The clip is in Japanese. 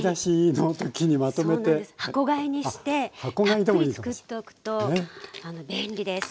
箱買いにしてたっぷり作っておくと便利です。